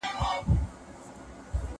دوی چي ول بالا به دا کار وسي باره ونه سو